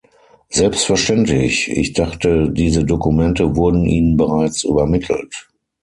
Selbstverständlich, ich dachte, diese Dokumente wurden Ihnen bereits übermittelt.